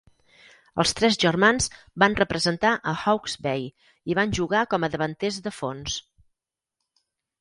Els tres germans van representar a Hawke's Bay i van jugar com a davanters de fons.